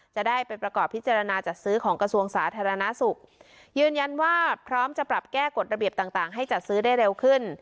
จะได้ไปประกอบพิจารณาจัดซื้อของกระทรวงสาธารณสุขยืนยันว่าพร้อมจะปรับแก้กฎระเบียบต่างต่างให้จัดซื้อได้เร็วขึ้น